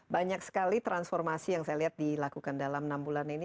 banyak sekali transformasi yang saya lihat dilakukan dalam enam bulan ini